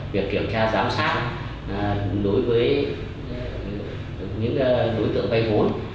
việc kiểm tra giám sát đối với những đối tượng vay vốn